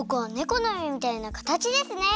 このめみたいなかたちですね！